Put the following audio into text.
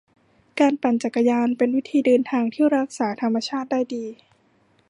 การปั่นจักรยานเป็นวิธีเดินทางที่รักษาธรรมชาติได้ดี